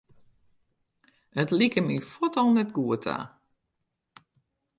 It like my fuort al net goed ta.